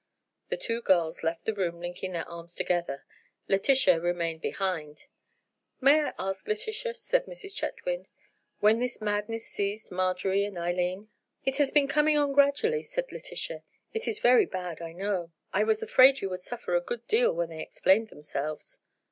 The two girls left the room linking their arms together. Letitia remained behind. "May I ask, Letitia," said Mrs. Chetwynd, "when this madness seized Marjorie and Eileen?" "It has been coming on gradually," said Letitia. "It is very bad, I know. I was afraid you would suffer a good deal when they explained themselves."